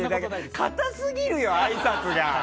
堅すぎるよ、あいさつが！